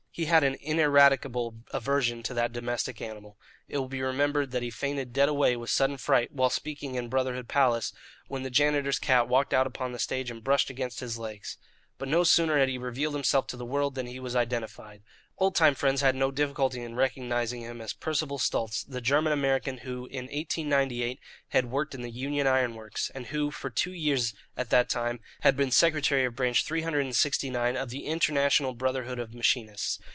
He had an ineradicable aversion to that domestic animal. It will be remembered that he fainted dead away with sudden fright, while speaking in Brotherhood Palace, when the janitor's cat walked out upon the stage and brushed against his legs. But no sooner had he revealed himself to the world than he was identified. Old time friends had no difficulty in recognizing him as Percival Stultz, the German American who, in 1898, had worked in the Union Iron Works, and who, for two years at that time, had been secretary of Branch 369 of the International Brotherhood of Machinists.